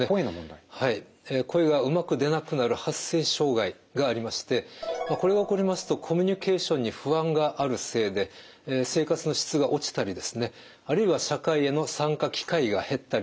はい声がうまく出なくなる発声障害がありましてこれが起こりますとコミュニケーションに不安があるせいで生活の質が落ちたりあるいは社会への参加機会が減ったりします。